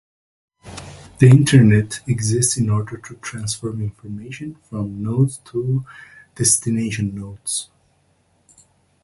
The Internet exists in order to transfer information from nodes to destination nodes.